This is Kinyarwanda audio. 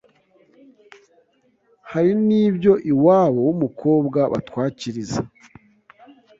” ”hari n’ibyo iwabo w’umukobwa batwakiriza